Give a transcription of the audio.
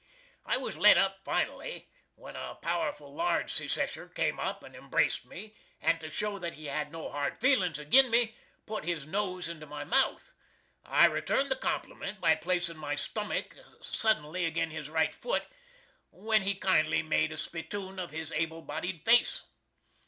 I was let up finally, when a powerful large Secesher came up and embraced me, and to show that he had no hard feelins agin me, put his nose into my mouth. I returned the compliment by placin my stummick suddenly agin his right foot, when he kindly made a spittoon of his able bodied face.